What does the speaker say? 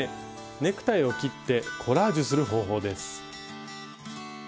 ネクタイを切ってコラージュする方法です。